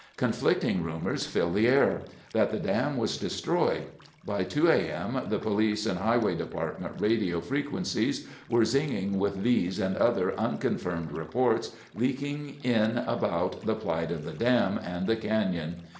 Conflicting rumors filled the air—that the dam was destroyed. By 2:00 A. M., the police and Highway Department radio frequencies were zinging with these and other unconfirmed reports leaking in about the plight of the dam and the canyon.